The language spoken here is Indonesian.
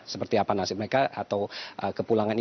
seperti apa nasib mereka atau kepulangan ini